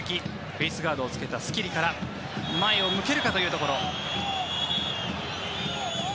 フェースガードをつけたスキリから前を向けるかというところ。